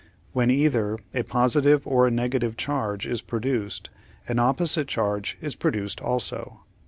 When either a positive or a negative charge is produced, an opposite charge is produced also.